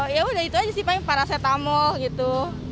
ya udah gitu aja sih paling parasetamol gitu